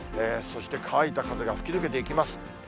そして乾いた風が吹き抜けていきます。